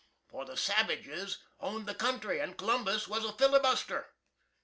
For the savages owned the country, and COLUMBUS was a fillibuster.